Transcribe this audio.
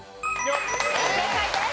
正解です。